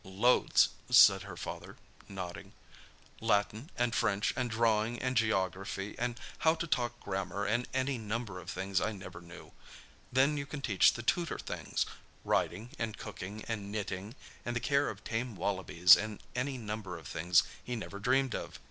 "Loads," said her father, nodding; "Latin, and French, and drawing, and geography, and how to talk grammar, and any number of things I never knew. Then you can teach the tutor things—riding, and cooking, and knitting, and the care of tame wallabies, and any number of things he never dreamed of.